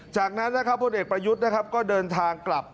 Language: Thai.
จากนั้นผู้นเอกประยุทธก็เดินทางกลับ